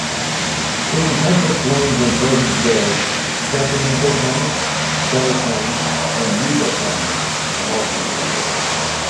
It encompassed lands in present-day Sacramento County, Sutter County, and Yuba County, California.